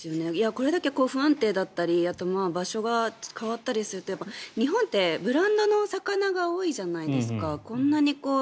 これだけ不安定だったりあと場所が変わったりすると日本ってブランドの魚が多いじゃないですか。